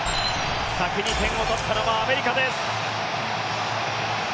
先に点を取ったのはアメリカです。